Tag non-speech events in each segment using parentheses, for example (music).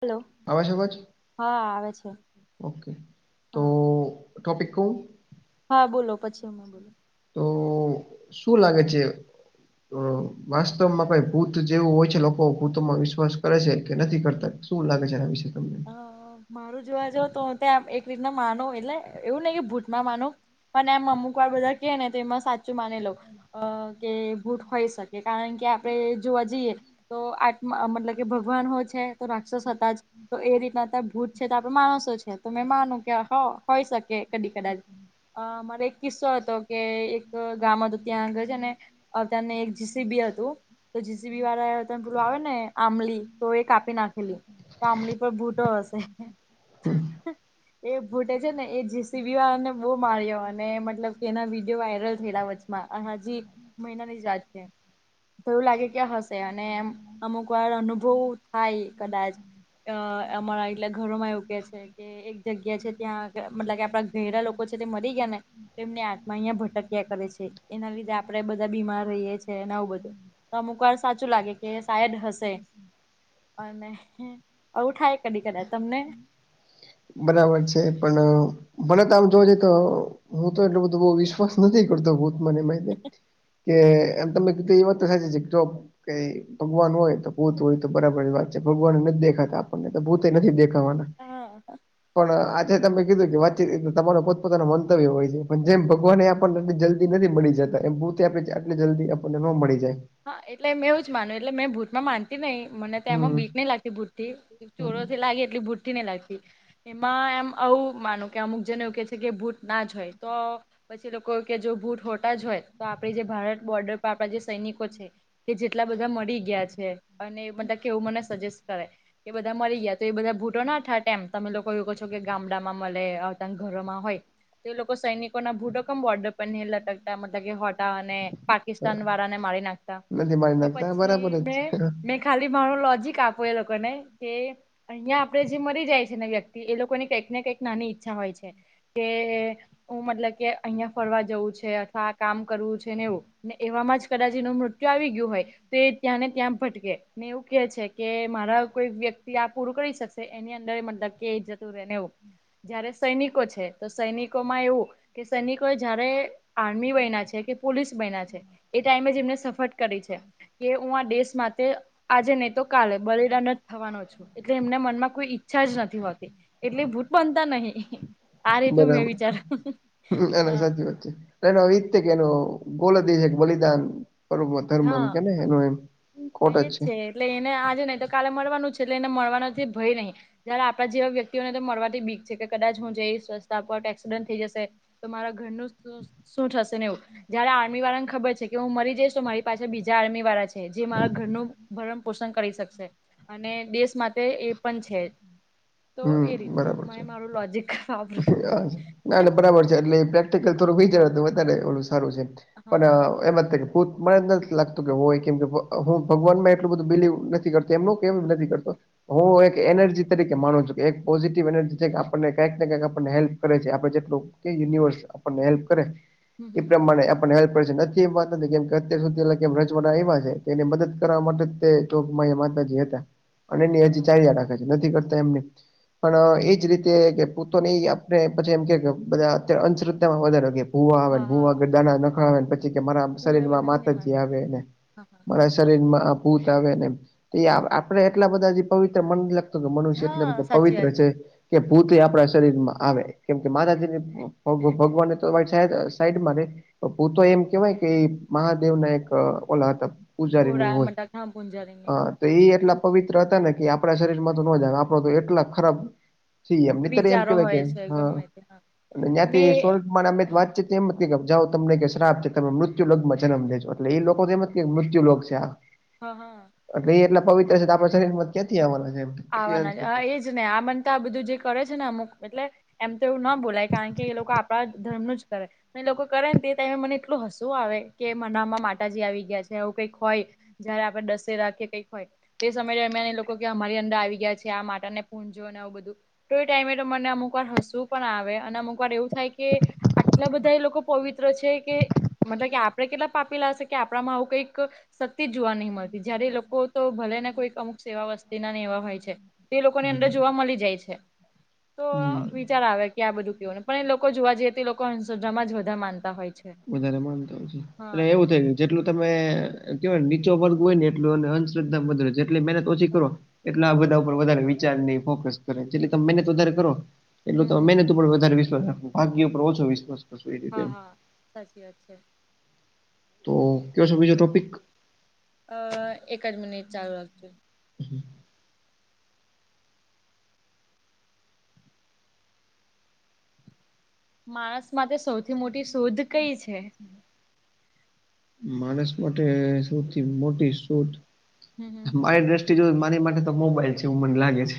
Hello આવેછે અવાજ હા આવે છે ઓકે તો હા ટોપિક કવુ હા બોલો પછી હમે, બોલો તો શું લાગે છે. વાસ્તવમાં કઈ ભૂત જેવું હોય છે લોકો ભૂતમાં વિશ્વાસ કરે છે, કે નથી કરતા શું લાગે છે, આ વિશે તમને હ મારું જોવા જાવ તો ત્યાં એક રીતના માનો એટલે એવું નય કે ભૂતમાં માનો પણ એમ અમુક વાર બધા કે ને તો એમાં સાચું માને લો કે ભૂટ હોય, શકે કારણ કે આપણેે જોવા જઈએ તો આત્મા મતલબ કે ભગવાન હો છે તો રાક્ષસ હતા જ તો એ રીતના અત્યારે ભૂત છે તો આપડે માણસો છે. તો મેં માનું કેહો હોય શકે કદી કદાચ અ મારે એક કિસ્સો હતો કે એક ગામ હતું ત્યાં આગળ છેને. હ તને એક જીસી બી હતુ. તો જીસીબી વાળા ત પેલું આવે ને આંબલી તો એ કાપી નાખેલી આંબલી ભૂટો હશે. એ ભૂટે છે ને એ જેીસીબી વારાને બહુ માર્યો અને મતલબ કે એના વિડીયો વાયરલ થયેલા વચ્ચે હજી મહિનાની જ રાત છે. તો લાગે કે હશે અને એમ અમુક વાર અનુભવ થાય કદાચ અ અમારા એટલે ઘરોમાં એવું કે છે એક જગ્યા છે ત્યાં મતલબ કે આપડા ઘેરા લોકો છે તે મરી ગયા ને એમની આત્મા અહિયા ભટક્યા કરે છે એના લીધે આપણેે બધા બીમાર રહીએ છેએ અને આવું બધું અમુક વાર સાચું લાગે કે શાયદ હશે અને અવુ થાય કદી કદા તમને બરાબર છે પણ ભલેત આમ જોજઈ તો હું તો એટલો બધો બહું વિશ્વાસ નથી કરતો ભૂત માં ને કે એમ તમે કીધું ઈ વાત તો સાચી છે (unintelligible) કઈ ભગવાન હોય તો ભૂત હોય તો બરાબરની વાત છે ભગવાનને નથી જ દેખાતા આપણને ભૂત નથી દેખાવાના હા પણ આજે તમે કીધું કે વાતચીત તમારા પોત પોતાનાનું મંતવ્ય હોય છે પણ જેમ ભગવાનને પણ જલ્દી નથી મળી જતા એમ ભૂ આપ આટ જલ્દી આપણને નો મળી જાય હા એટલે મેંવું જ માનું એટલે મેં ભૂતમાં માનતા કે નહીં મને એમાં હમ બીક નહી લાગતી ભૂતથી હમ ચોરોથી લાગે એટલી ભૂતથી નહીં લાગતી એમાં એમ આવું માનું કે અમુક જને એવું કે છે કે ભૂત ના જ હોય તો પછી લોકો કે જો ભૂત હોતા જ હોય તો આપે જે ભારત બોર્ડર પર આપડા જે સૈનિકો કે જેટલા બધા મળી ગયા છે અને બધા કેવું મને સજેસ્ટ કરે એ બધા મરી ગયા તો એ બધા ભૂટો ના થાય મ તમે લોકો એવું કો છો કે ગામડામાં મળે આવતા ઘરોમાં હોય તે લોકો સૈનિકોના ભૂડકમ બોર્ડ પર બનેલા લટકતા મતલબ કે હટાવા અને પાકિસ્તાન વાળાને મારી નાખતા તને મારી તો નાખતા બરાબર પછી જ છે મેં મેં ખાલી મારું લોજિક આપું એ લોકોને કે અહિયાં આપડે જે મરી જાય છે ને વ્યક્તિ એ લોકોની કંઈક ને કંઈક નાની ઈચ્છા હોય છે કે હું મતલબ કે અહિયાં ફરવા જવું છે અથવા કામ કરવું છે ને એવું ને એવામાં જ કદાચ એનું મૃત્યુ આવી ગયું હોય તો એ ત્યાં ને ત્યાં ભટકે ને એવું કે છે કે મારા કોઈ વ્યક્તિ આ પૂરું કરી શકશે એની અંદર મતલબ કે એ જતું રે ને એવું જયારે સૈનિકો છે તો સૈનિકો માં એવું કે સૈનિકો એ જયારે આર્મી બન્યા છે કે પોલીસ બન્યા છે એ ટાઈમે એમને સફળ કરે છે કે હું આ દેશ માટે આજે નહી તો કાલે બલિદાન જ થવાનો છું એટલે એમને મનમાં કોઈ ઈચ્છા જ નથી હોતી એટલે ભૂત બનતા નહીં બરાબર છે એના સાચી વાત છે એનો અદિત્ય કે એનો ગોલ એ છે કે બલિદાન ધર્મ એમ કેને એનું એમ. એ જ છે એટલે એને આજે નહી તો કાલે મરવાનું જ છે એટલે એને મરવાનો જે ભય નહીં જયારે આપણા જેવા વ્યક્તિઓને તો મળવાથી બીક છે કે કદાચ હું જઈશ રસ્તા પર એક્સિડન્ટ થઈ જશે તો મારા ઘરનું શું થશે ને એવું જયારે આર્મી વાળા ને ખબર છે કે હું મરી જઈશ તો મારી પાસે બીજા આર્મી વાળા છે જે મારા ઘરનું ભરણ પોષણ કરી શકશે અને દેશ માટે એ પણ છે તો હમ એ રીતનું બરાબર મા છે એ મારું લોજિક ના ના બરાબર છે એટલે પ્રેક્ટિકલ થોડું જ વધ ઓલું સારું છે હા હા પણ એમાં મને નથી લાગતું કે હોય કેમ કે હું ભગવાન માં એટલું બધું બિલીવ નથી કરતો એમનું કેમ નથી કરતો હું એક એનર્જી તરીકે માનું છું એક પોઝિટિવ એનર્જી છે કે આપણને કંઈક ને કંઈક આપણને હેલ્પ કરે છે આપણે જેટલું કે યુનિવર્સ આપણને હેલ્પ કરે હમ એ હમ પ્રમાણે હેલ્પ છે નથી એમ વાત નથી કેમ અત્યાર સુધી એમ રજવાડા એ છે એની મદદ કરવા માટે તો માતાજી હતા અને એની હા હા હજી ચાલ્યા રાખે છે નથી કરતા એમ નહીં પણ એજ રીતે કે ભૂતો ને આપને પછી એમ કે બધા અત્યારે અંધશ્રદ્ધામાં વધારે કે ભુવા આવે હા ને હા ભુવા દાના નખાવે પછી કે મારા હું શરીર એવા માં બધા મહેમાન માતાજી આવેને હા હા. શરીર માં આ ભૂત આવે ને ઈ આપડે એટલા બધા જે પવિત્ર મન લાગતો કે મનુષ્ય એટલા હા બધા સાચી પવિત્ર વાત છે છે કે ભૂત ય આપણા શરીરમાં આવે કેમ કે માતાજીની ભ ભગવાનને તો સાઈડમાં રે ભૂ તો એમ કેવાય કે મહાદેવ ના એક ઓલા હતા. પૂજારીની ભોરા હોય મટાકા ભૂંજારીને અ તો એ એટલા પવિત્ર હતા ને કે આપણા શરીર માં તો ન જ આપડો તો એટલા ખરાબ સી એમ નેતર એમ વિચારો કેવાય છે હોય હ ગમે તે હા અને જ્યાંથી મેં સ્વર્પ અમે વાતચી તેમમ નથી જાવ તમને કે શ્રાપ છે તમે મૃત્યુ લોગમાં જન્મ લેજો એટલે એ લોકો એમ જ મૃત્યુ લોગ છે. હા હા એટલે એટલા પવિત્ર છે તો આપણા શરમાં ક્યાંથી આવવા છે, એમ કેટલી આવવાના અંધશ્રદ્ધા છે એજ ને આ બનતા આ બધું જે કરે છે ને અમુક એટલે એમ તો એવું ના બોલાય કારણ કે એ લોકો આપણા ધર્મ ન જ કરે એ લોકો કરે ને ત ત મને એટલું હસું આવે કે મનામાં માતાજી આવી ગયા છે આવું કઈક હોય. જયારે આપડણે દસે રાખીએ કઈક હોય તે સમય અમે લોકો કેમા અંદર આવી ગયા છે, આ માટે ને પૂણજો અને આવું બધુ તો એ ટાઈમે તો મને અમુક વાર હશું પણ આવે અને અમુક વાર એવું થાય કે આટલા બધા એ લોકો પવિત્ર છે કે મતલબ કે આપડણે કેટલા પાપીલા હશે કે આપડામાં આવું કઈક શક્તી જોવા નહીં મળતી જયારે લોકો તો ભલે ને કોઈક અમુક સેવા વસ્તુ હોય છે તે લોકોની અંદર હમ જોવા મળી જાય છે તો હમ વિચાર આવે કે આ બધુ ને પણ એ લોકો જોવા જઈ તે લોકો હસ્રમા જ વધારે માનતા હોય છે. વધારે માનતા હોય છે એટલે હા એવું થઇ ગય જેટલું તમે કેવાય નીચો વર્ગ હોય ને એટલું અને અંધશ્રદ્ધા જેટલી મહેનત ઓછી કર હા એટલે આ બધા ઉપર વધારે વિચાર ફોકસ કરે એટલે તમે મહેનત વધારે કરો એટલે તો મહેનત ઉપર વધારે વિશ્વાસ રાખવો ભાગ્ય પર ઓછો વિશ્વાસ કરશો એ રીતે હા એમ. હા સાચી વાત છે. તો કયો છે બીજો ટોપિક અ એક જ મિનિટ ચાલુ રાખજો હમ્મ માણસ માં તે સૌથી મોટી શોધ કઈ છે. માણસ માટે સૌથી મોટી સોટ હમ હમ. મારી દ્રષ્ટિ જો મારી માટે તો મોબાઈલ છે એવું મને લાગે છે.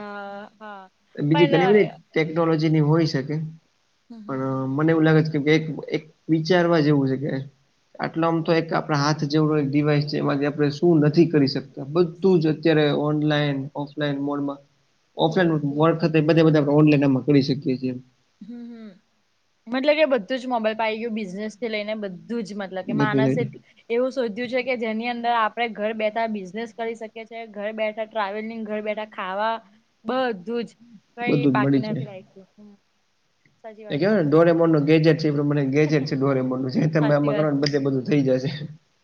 અ હા બીજી પણ ઘણી બધી ટેકનોલોજી ની હોય શકે. હમ્મ પણ અ, મને એવું લાગે છે, કે એક વિચારવા જેવુ છે, કે આટલો આમ તો એક આપણા હાથ જેવડો એક ડિવાઈસ છે એમાંથી આપણે શું નથી કરી શકતા બધું જ અત્યારે ઓનલાઈન ઓફલાઈન મોડમા ઓફલાઈન બધું વખતે બધા બધા આપણે ઓનલાઈન એમાં કરી શકીએ છીએ. હમ્મ હમ્મ એટલે કે બધું જ મોબાઈલ પાઇ ગયું બિઝનેસ થી લઈને બધું જ મતલબ કે બધું જ માણસ એ એવું શોધ્યું છે કે જેની અંદર આપડણે ઘર બેઠા બિઝનેસ કરી શકીએ છીએ ઘર બેઠા ટ્રાવેલિંગ ઘર બેઠા ખાવા બધું જ કઈ બધું જ બાકી મળી જાય નથી રાખ્યુ એ કેવાય ડોરેમર નું ગેજેટ છે એ પ્રમા ગેજેટ છે ડોરેમ નું તમે સાચી આમાં વાત ગણ છે બધે બધું થઈ જશે.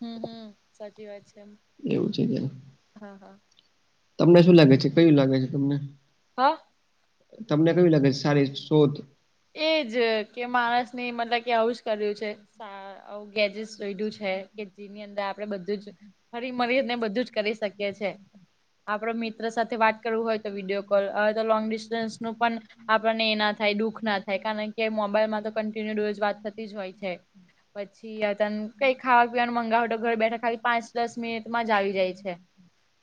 હમ હમ સાચી વાત છે, એમ એવું છે કેનુ હા હા તમને શું લાગે છે કયું લાગે છે, તમને હા તમને કેવી લાગે છે, સારી શોધ એજ કે માણસ ની મતલબ કે આવુંજ કર્યું છે. ગેજેટ જોઈું છે, કે જેની અંદર આપડે બધું જ ફરી મળરી ને બધું જ કરી શકીએ છે. આપડો મિત્ર સાથે વાત કરવું હોય, તો વિડીયો કોલ હવે તો લોંગ ડિસ્ટન્સ નું પણ આપનેય ના થાય દુઃખ ના થાય કારણ કે મોબાઈલમાં તો કન્ટિન્યુ રોજ વાત થતી જ હોય છે પછી અ ત કઈ ખાવા પીવાનું મગાવ તો ઘર બેઠા ખાલી પાંચ દસ મિનિટમાં જ આવી જાય છે.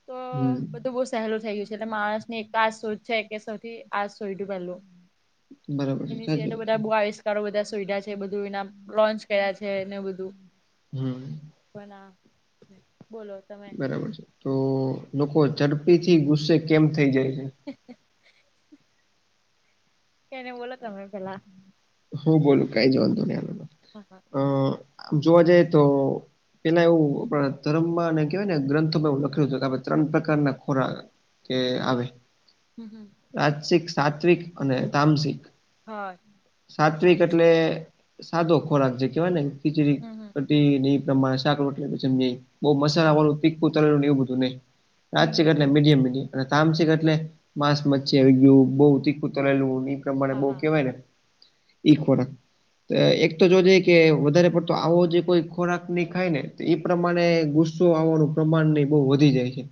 તો હમ બધું બહુ સહેલું થઈ ગયું છે એટલે માણસ ની એક આજ સોધ છે એક સૌથી આ સોઈ પેલું- બરાબર છે એની સ સાચી તો વાત બધા છે બુ આવિષ્કારો બધા સુવિધા છે બધું એના લોન્ચ કરયા છે એને બધું હમ બના બોલો તમે બરાબર છે તો લોકો ઝડપી થી ગુસ્સે કેમ થઇ જાય છે? (inaudible) કેને બોલો તમે પેલા હું બોલુ કઈ જ વાંધો ન હાલો હાહા અ આમ જોવા જાઈ તો પેલા એવું આપણા ધર્મમાં અને કેહેવાય ને ગ્રંથમાં એવું લખે્યું છે કે આપણે ત્રણ પ્રકારના ખોરાક કે આવે હમ હમ આસિક સાત્વિક અને તામસિક હા તમારે સાત્વિક કામ એટલે સાદો ખોરાક જે કેવાય ને ખીચડી હમ હમ ઢી ઈ પ્રમાણે શાક રોટલી (inaudible) બોવ મસાલા હા વાળું તીખું તરેલું એવું બધું નહી હમ આંશિક હમ એટલે મીડિયમ મીડિયમ તામસિક એટલે માંસ મચ્છી આવી ગયું બવ તીખું તરેલું પ્રમાણે હા બહુ હા કહેવાય ને ઈ ખોરાક એક તો જો જઈએ કે વધારે પડતો આવો જે કોઈ ખોરાક ને ઈ ખાય ને ઈ પ્રમાણે ગુસ્સો આવવાનું પ્રમાણ ને બહુ વધી જાય છે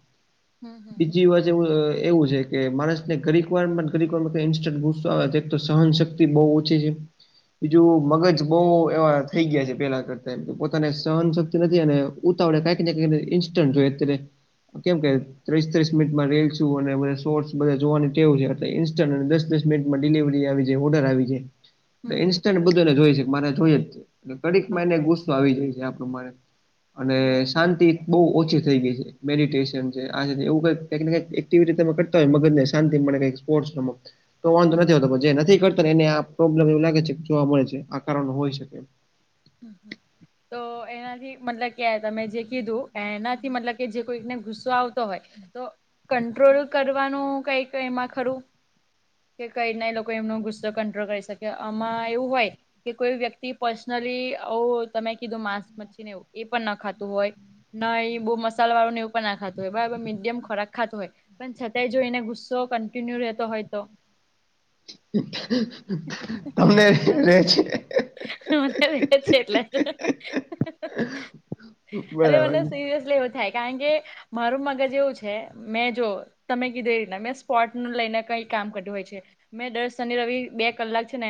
હમ હમ બીજી વ એવું એવું છે કે માણસ ને ઘરીકવાર માં ને ઘરીકવારમાં કાઈ ઇન્સ્ટન્ટ ગુસ્સો આવે એક તો સહનશક્તિ તી બહુ ઓછી છે બીજું મગજ બહુ એવા થઈ ગયા છે પેલા કરતા પોતાને સહનશક્તિ નથી અને ઉતાવળે કાંઈક ને ક ઈન્સ્ટન્ટ જોઈ અત્યારે કેમ કે ત્રીસ ત્રીસ મિનિટમાં રીલસુ અને બધ શોર્ટ્સ બધ જોવાનું ટેવું છે ઇન્સ્ટન્ટ અને દસ દસ મિનિટમાં ડિલિવરી આવી જવ વધારે આવી જાય ને હમ હમ ઇન્સ્ટન્ટ બધાને જોય છે મારે જોય જ ઘડીક હા માં એને હા ગુસ્સો છે સ્સો આવી જાય છે આપ મારે અને બરાબર શાંતિ બઉુ ઓછી થઈ ગઈ છે મેડિટેશન છે એવું ક કઈક ને કક એક્ટિવિટી તમે કરતા હોય મગજ ને શાંતિ માટે કઈક સ્પોર્ટ રમત છે તો વાંધો હમ નથી આવતો જે નથી કરતાને એને આ પ્રોબ્લેમ એવું લાગે છે કે જોવા મળે છે આ કારણ હોય શકે તો એનાથી મતલબ કે તમે જે કીધું એના મતલબ કે જે કોઈને ગુસો આવતો હોય તો કંટ્રોલ કરવાનું કઈક એમાં ખરું કે કઈ રીના એ લોકો એમનો ગુસ્સો કંટ્રોલ કરી શકે આમાં એવું હોય કે કોઈ વ્યક્તિ પર્સનલી આવુ તમે કીધું માંસ મચ્છી ને એ પણ ન ખાતું હોય ન એ બહુ મસાલા વાળું ને એવું ના ખાતું હોય બરાબર મડિયમ ખોક ખાતું હોય પણ છતાંય જોએને ગુસ્સો કન્ટિન્યુ રહેતો હોય તો તમનેે તો રે છે મને છે એટલે બરાબર (inaudible) છે સિરિયસલી એવુ થાય કારણ કે મારું મગજ એવું છે મેં જો તમે કીધું એવીના મેં સ્પોટ લઈને કઈ કામ કર્યું હોય છે મેં દર શનિ રવિ બે કલાક છે ને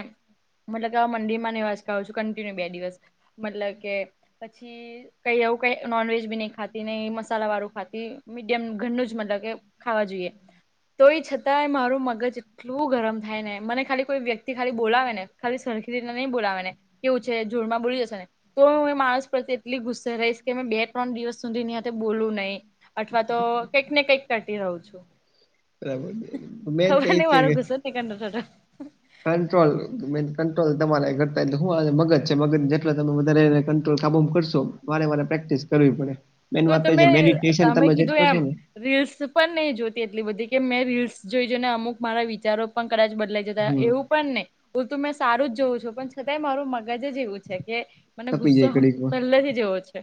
મતલબ કે આ મંદિર માં નિવાસ કર છું કન્ટિન્યુ બે દિવસ મતલબ કે પછી કઈ એવું કઈ નોનવેજ બી નહી ખાતી નહી મસાલા વાળું ખાતી મીડિયમ ઘરનું જ મતલબ કે ખાવા જોઈએ તોય છતાંય મારું મગજ બોવ ગરમ થાય ને મને ખાલી કોઈ વ્યક્તિ ખાલી બોલાવે ને ખાલી સરખી રીતે નહી બોલાવે ને કેવું છે જોર માં બોલી જશે ને તો હું એ માણસ પ્ર્યે એટલી ગુસ્સે રહીશ કે મે બે ત્રણ દિવસ સુધી ની બોલું નહીં. અથવા તો કઈક ને કંઈક કટી રહું છું. બરાબર મેન તો ખબર એ નહી છે. (unintelligible) કંટ્રોલ મન કંટ્રોલ તમારે ઘતા હું મગજ છે મગજ જેટલા તમે વધારે કાબુ કરશો વારે વારે પ્રેક્ટિસ કરવી પડે મેન તો વાત તમે છે મેડિટેશન તમે જે કીધું કરશો એમ ને રીલ્સ પણ નહી જોતી એટલી બધી કે મેં રીલ્સ જોઈજ ને અમુક મારા વિચારો પણ કદાચ બદલાય હમ એવું પણ નહી હું ત મેં સારું જ જોઉં છું પણ છતાંય મારું મગજ જ એવું છે કે મને તપી ગુસ્સો જાય ઘડીકમાં પહેલાથી જેવો છે.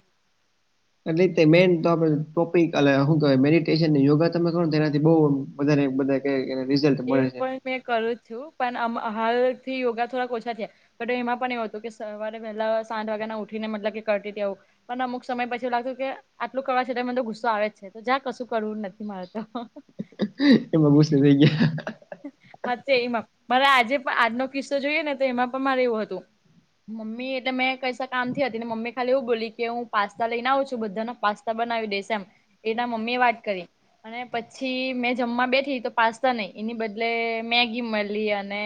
(inaudible) એટલે મેઈન તો આપ ટોપિક શું ક મેડિટેશન ને યોગા તમે કરો તો એનાથી બઉ વધારે બધે એને રિઝલ્ટ એ મળે છે. પણ મેં કરું જ છું પણ હાલથી યોગા થોડાક ઓછા થયા. તો એમાં પણ એવું હતું કે સવારે પહેલા સાત વાગ્યાના ઉઠીને મતલબ કે કરતી ત આવું. પણ અમુક સમય પછી લાગતું કે આટલું કરવા છતાય મધ તો ગુસ્સો આવે જ છે તો જા કશું કરવું નથી મારે તો. એમાં ગુસુ થઈ ગયા. સાચે એમાં મારે આજે પણ આજનો કિસ્સો જોઈએ ને તો એમાં પણ મારે એવું હતું મમ્મી એટલે મે કૈસા કામમથી હતી ને મમ્મી ખાલી એવું બોલી કે હું પાસ્તા લઈને આવું છું બધાના પાસ્તા બનાવી દે એમ એના મમ્મી એ વાત કરી અને પછી મેં જમવા બેઠી તો પાસ્તા નહી એની બદલે મેઘી મળી અને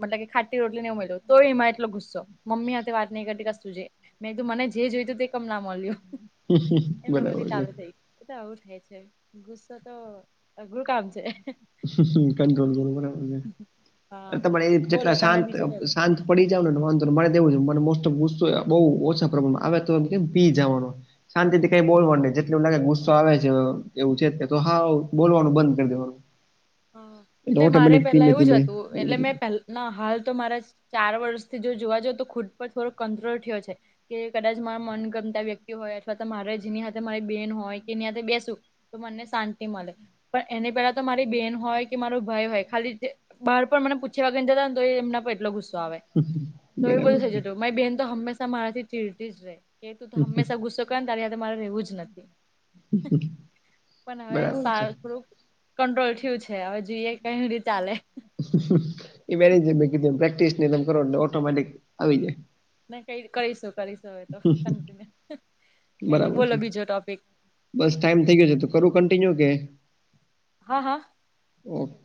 મતલબ કે ખાટી રોટલીહી ઉમેલવ તોયમાં એટલો ગુસ્સો મમ્મી હાથે વાત નહીં કરતી ક તુંજે મેં તું મને જે જોય તું તે કમ ના મળ્યું એ મે બરાબર બરી છે ચાલુ થઈ એ તો આવું થાય છે ગુસ્સો તો અઘરું કામ છે કંટ્રોલ કર બરાબર હા છે તમારે બોલો જેટલા તમે શાંત બીજો કઈ શાંત પડી જાવને વાંધ માને એવું મને મોસ્ટ ઓફસ્તુ બહુ ઓછા પ્રબ્લેમ આવે તો કેમ પી જવાનો શાંતિથી કઈ બોલવાનું ન જેટલ એવું લાગે ગુસ્સો આવે છે એવું છે તો હા બોલવાનું બંધ કરી દેવાનું. હા એટલે મારે ઓટોમેટિક પેલા ધીમે એવું ધીમે જ હતું એટલે મેં પ ના હાલ તો મારા ચાર વર્ષથી જો જોવા જ તો ખુદ પર થોડોક કંટ્રોલ થયો છે. કે કદાચ મારા મન ગમતા વ્યક્તિ હોય અથવા તો મારે જેની હાથે મારી બેન હોય કે એની હાથે બેસું. તો મને શાંતિ મળે પણ એને પેલા તો મારી બેન હોય કે મારો ભાઈ હોય ખાલી બહાર પણ મને પૂછીયા વગરને જતાને તો એમના એટલો ગુસ્સો આવે તો એવું બરાબર બધું થઇ છે જતું મારી બેહેન તો હંમેશા મારાથી ચીરતી જ રેય. કે તું તો હંમેશા ગુસ્સો કરે ને તારે તો મારે રહેવું જ નથી. હ પણ હવે બરાબર છે સારું થોડુંક કંટ્રોલ થયું છે હવે જે એ કેઇ ઈ રીતે ચાલે એ મે કીધ પ્રેક્ટિસ ને કરો ઓટોમેટિક આવી જાય ન ક કરીશું કરીશું હવે તો. કઈ નઈ બરાબર બોલો છે બીજો ટોપિક બસ ટાઈમ થઇ ગયો છે તો કરું કન્ટિન્યુ કે હા હા. (inaudible)